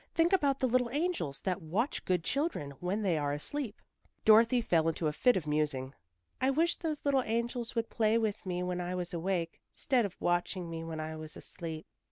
Think about the little angels that watch good children when they are asleep." Dorothy fell into a fit of musing. "I wish those little angels would play with me when I was awake, 'stead of watching me when I was asleep.